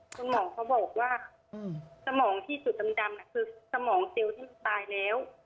สมองเขาบอกว่าอืมสมองที่จุดดำดำคือสมองเจลที่ตายแล้ว